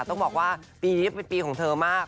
ต้องบอกว่าปีนี้เป็นปีของเธอมาก